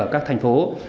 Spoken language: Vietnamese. các thành phố